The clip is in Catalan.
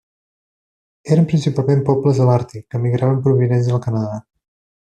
Eren principalment pobles de l'Àrtic que emigraven provinents del Canadà.